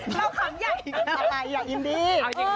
เฮ้ยบอกคำใหญ่อะไรอยากอินดี้